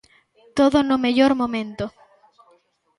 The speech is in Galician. Todo no mellor momento.